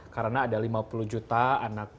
karena ada lima puluh juta anak